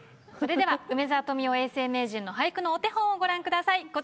それでは梅沢富美男永世名人の俳句のお手本をご覧ください。